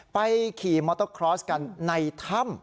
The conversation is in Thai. ขี่มอเตอร์คลอสกันในถ้ำ